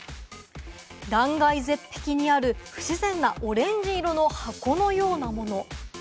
断崖絶壁にある不自然なオレンジ色の箱のようなもの。